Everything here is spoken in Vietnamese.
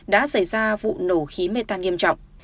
đã xảy ra vụ nổ khí mê tan nghiêm trọng